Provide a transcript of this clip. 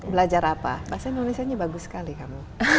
belajar apa bahasa indonesia nya bagus sekali kamu